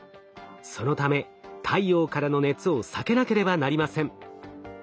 そのため太陽からの熱を避けなければなりません。